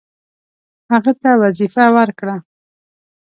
هغه ته وظیفه ورکړه.